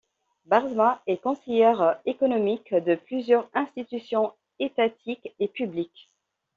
Baarsma est conseillère économique de plusieurs institutions étatiques et publiques.